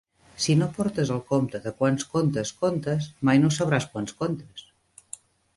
Si no portes el compte de quants contes contes, mai no sabràs quants contes.